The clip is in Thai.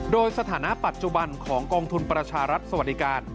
โดยสถานะปัจจุบันของกองทุนประชารัฐสวัสดิการ